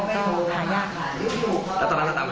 ถ้าไปทำมันก็ยุ่งยากทำไมมันก็หายาก